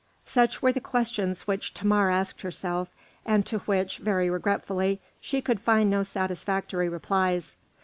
Such were the questions which Thamar asked herself, and to which, very regretfully, she could find no satisfactory replies.